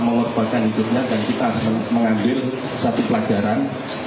mengorbankan hidupnya dan kita harus mengambil satu pelajaran